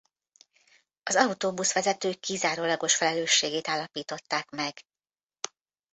Az autóbusz-vezető kizárólagos felelősségét állapították meg.